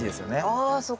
あそっか。